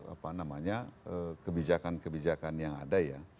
apa namanya kebijakan kebijakan yang ada ya